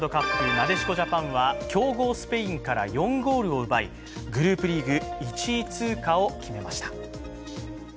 なでしこジャパンは強豪スペインから４ゴールを奪いグループリーグ１位通過を決めました。